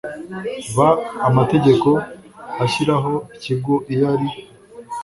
b amategeko ashyiraho ikigo iyo ari